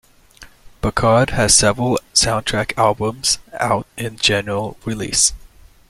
Burkhard has several soundtrack albums out in general release.